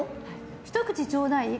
ひと口ちょうだい？